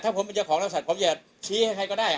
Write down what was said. ถ้าผมเป็นเจ้าของบริษัทผมจะชี้ให้ใครก็ได้